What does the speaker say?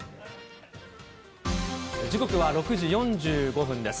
時刻は６時４５分です。